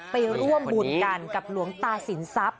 ไปร่วมบุญกันกับหลวงตาศิลป์